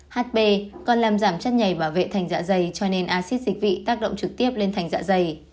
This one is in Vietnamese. hp còn làm giảm chất nhảy bảo vệ thành dạ dày cho nên acid dịch vị tác động trực tiếp lên thành dạ dày